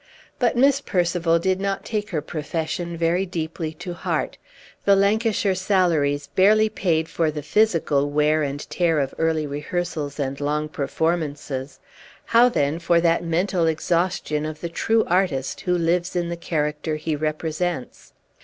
But Miss Percival did not take her profession very deeply to heart; the Lancashire salaries barely paid for the physical wear and tear of early rehearsals and long performances; how, then, for that mental exhaustion of the true artist who lives in the character he represents?